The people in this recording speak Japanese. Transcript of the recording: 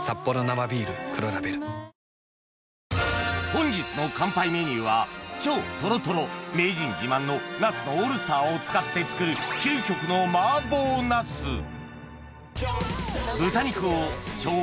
本日の乾杯メニューは超トロトロ名人自慢のナスのオールスターを使って作る究極のあいいですね。